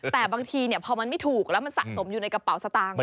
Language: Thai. แต่บางทีพอมันไม่ถูกแล้วมันสะสมอยู่ในกระเป๋าสตางค์